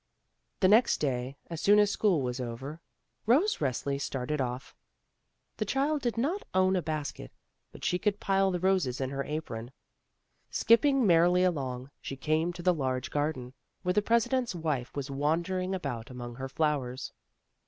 The next day, as soon as school was over, Rose Resli started off. The child did not own a basket, but she could pUe the roses in her apron. Skipping merrily along, she came to the A LITTLE HELPER 23 large garden, where the President's wife was wandering about among her flowers.